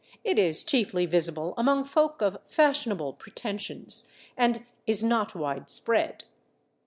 It is chiefly visible among folk of fashionable pretensions, and is not widespread.